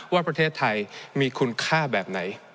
ว่าประเทศไทยมีคุณค่าแบบไหน